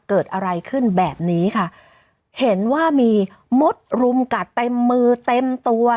เกิดอะไรขึ้นแบบนี้ค่ะเห็นว่ามีมดรุมกัดเต็มมือเต็มตัว